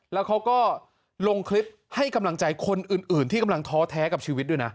แล้วเขาก็ลงคลิปให้กำลังใจคนอื่นที่กำลังท้อแท้กับชีวิตด้วยนะ